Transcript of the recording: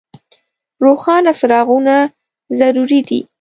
روښانه څراغونه ضروري دي.